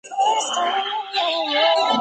迈阿密都会区位于佛罗里达州南部。